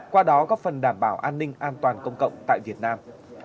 qua đó góp phần đảm bảo an ninh an toàn công cộng tại việt nam